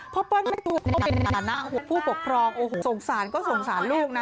เปิ้ลแม่ตัวก็เป็นฐานะผู้ปกครองโอ้โหสงสารก็สงสารลูกนะ